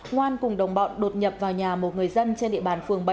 ngoan cùng đồng bọn đột nhập vào nhà một người dân trên địa bàn phường bảy